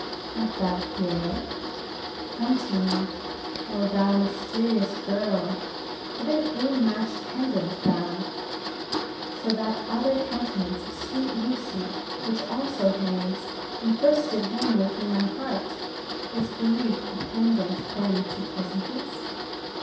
'Art thou Pierre? Come to me' oh, thou mysterious girl, what an ill matched pendant thou, to that other countenance of sweet Lucy, which also hangs, and first did hang within my heart! Is grief a pendant then to pleasantness?